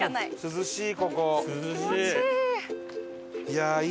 涼しい！